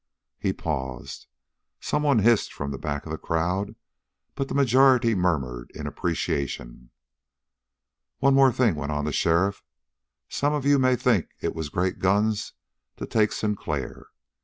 He paused. Someone hissed from the back of the crowd, but the majority murmured in appreciation. "One more thing," went on the sheriff. "Some of you may think it was great guns to take Sinclair.